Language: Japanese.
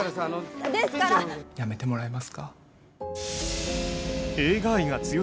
辞めてもらえますか。